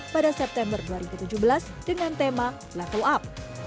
pada september dua ribu tujuh belas dengan tema level up